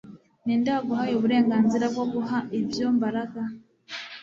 Ninde waguhaye uburenganzira bwo guha ibyo Mbaraga